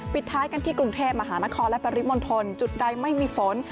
ปิดท้ายกันที่กรุงเทพมหานครและปริมณฑลจุดใดไม่มีฝน